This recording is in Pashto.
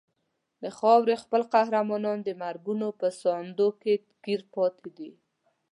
د خاورې خپل قهرمانان د مرګونو په ساندو کې ګیر پاتې دي.